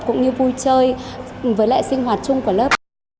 cũng như vui chơi với lại sinh hoạt chung của lớp